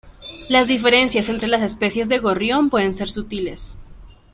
Las diferencias entre las especies de gorrión pueden ser sutiles.